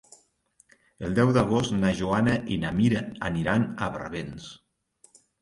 El deu d'agost na Joana i na Mira aniran a Barbens.